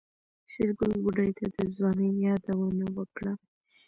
شېرګل بوډۍ ته د ځوانۍ يادونه وکړه.